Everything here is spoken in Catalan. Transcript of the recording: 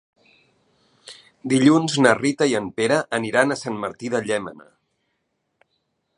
Dilluns na Rita i en Pere aniran a Sant Martí de Llémena.